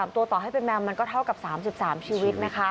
ตัวต่อให้เป็นแมวมันก็เท่ากับ๓๓ชีวิต